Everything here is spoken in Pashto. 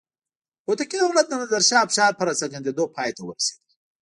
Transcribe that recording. هوتکي دولت د نادر شاه افشار په راڅرګندېدو پای ته ورسېد.